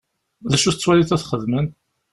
D acu tettwaliḍ ad t-xedmen?